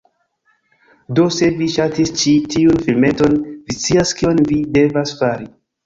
Do se vi ŝatis ĉi tiun filmeton, vi scias, kion vi devas fari: